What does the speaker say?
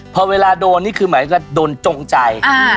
พอเวลาโดนนี่คือหมายถึงโดนจงใจ